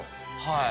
はい。